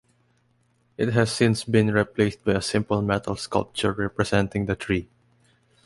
It has since been replaced by a simple metal sculpture representing the tree.